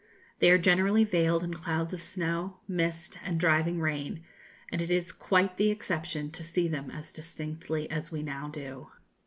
They are generally veiled in clouds of snow, mist, and driving rain, and it is quite the exception to see them as distinctly as we now do.